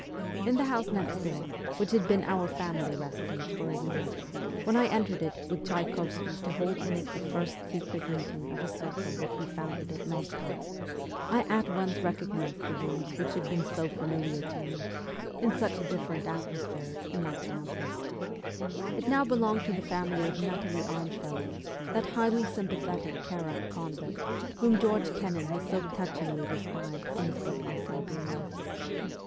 In the house next door, which had been our family residence for a year, when I entered it with Tchayk6v sky to hold in it the first secret meeting of a circle which we founded at Moscow, I at once recognized the rooms which had been so familiar to me, in such a different VOL. II. E 60 MEMOIRS OF A REVOLUTIONIST atmosphere, in my childhood. It now belonged to the family of Nathalie Armfeld, that highly sympathetic Kara ' convict ' whom George Kennan has so touchingly described in his book on Siberia.